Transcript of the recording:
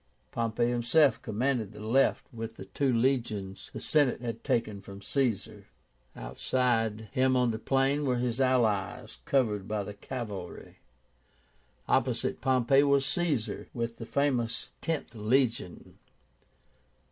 Pompey himself commanded the left with the two legions the Senate had taken from Caesar. Outside him on the plain were his allies covered by the cavalry. Opposite Pompey was Caesar, with the famous Tenth Legion.